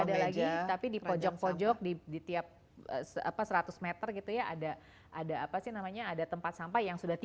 udah gak ada lagi tapi di pojok pojok di tiap seratus meter gitu ya ada tempat sampah yang sudah tiga